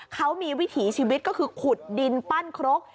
เขามีวิถีชีวิตก็คือขุดดินปั้นครก